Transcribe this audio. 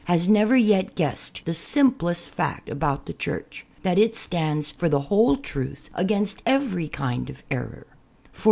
has never yet guessed the simplest fact about the Church, that it stands for the whole truth against every kind of error.